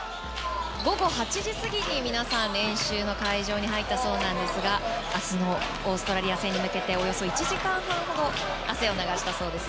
午後８時過ぎに皆さん、練習の会場に入ったそうなんですが明日のオーストラリア戦に向けておよそ１時間半ほど汗を流したそうです。